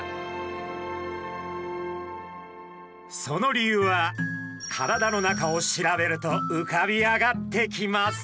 その理由は体の中を調べるとうかび上がってきます。